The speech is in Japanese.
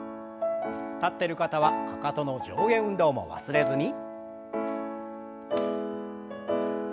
立ってる方はかかとの上下運動も忘れずに。